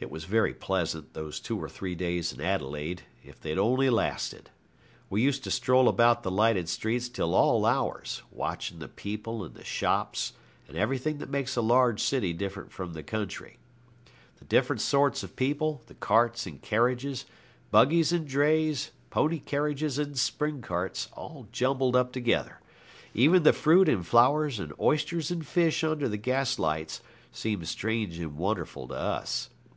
It was very pleasant, those two or three days in Adelaide, if they'd only lasted. We used to stroll about the lighted streets till all hours, watching the people and the shops and everything that makes a large city different from the country. The different sorts of people, the carts and carriages, buggies and drays, pony carriages and spring carts, all jumbled up together; even the fruit and flowers and oysters and fish under the gas lights seemed strange and wonderful to us.